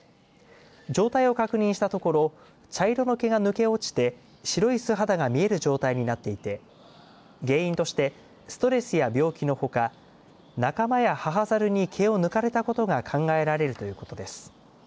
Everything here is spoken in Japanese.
状態を確認したところ茶色の毛が抜け落ちて白い素肌が見える状態になっていて原因としてストレスや病気のほか仲間や母ザルに毛を抜かれたことが考えられるということです。